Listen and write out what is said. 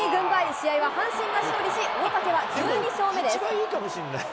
試合は阪神が勝利し、大竹は１２勝目です。